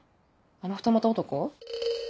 あの二股男？